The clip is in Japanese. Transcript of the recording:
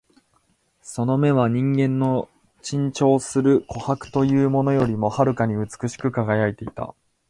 その眼は人間の珍重する琥珀というものよりも遥かに美しく輝いていた